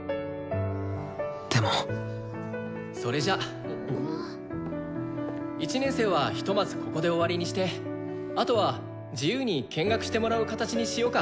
でもそれじゃ１年生はひとまずここで終わりにしてあとは自由に見学してもらう形にしようか。